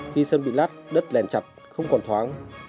khi sân bị lát đất lèn chặt không còn thoáng